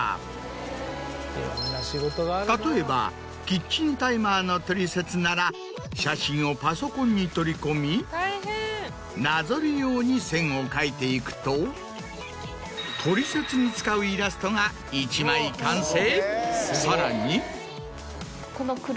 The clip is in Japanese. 例えばキッチンタイマーの取説なら写真をパソコンに取り込みなぞるように線を描いていくと取説に使うイラストが１枚完成。